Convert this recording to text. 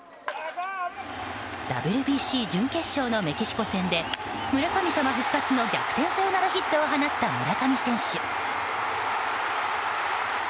ＷＢＣ準決勝のメキシコ戦で村神様復活の逆転サヨナラヒットを放った村上選手。